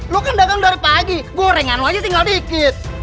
lo kan dagang dari pagi gorengan aja tinggal dikit